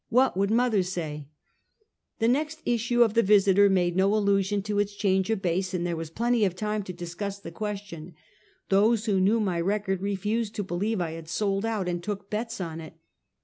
What would mother sa}^?" The next issue of the Visiter made no allusion to its change of base, and there was plenty of time to dis cuss the question. Those who knew my record re fused to believe I had sold out, and took bets on it.